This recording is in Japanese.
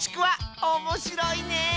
おもしろいね！